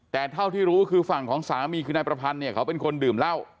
แต่เท่าที่รู้คือฝั่งของสามีคือนายประพันธ์เนี่ยเขาเป็นคนดื่มเหล้า